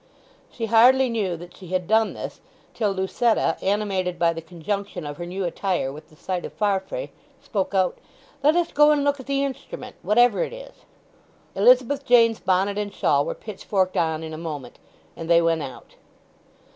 She hardly knew that she had done this till Lucetta, animated by the conjunction of her new attire with the sight of Farfrae, spoke out: "Let us go and look at the instrument, whatever it is." Elizabeth Jane's bonnet and shawl were pitchforked on in a moment, and they went out.